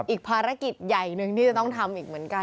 อีกภารกิจใหญ่หนึ่งที่จะต้องทำอีกเหมือนกัน